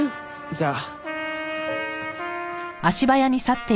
じゃあ。